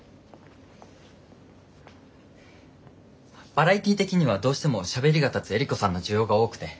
バラエティー的にはどうしてもしゃべりが立つエリコさんの需要が多くて。